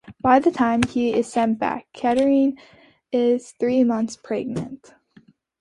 By the time he is sent back, Catherine is three months pregnant.